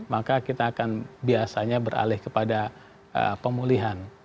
maka kita akan biasanya beralih kepada pemulihan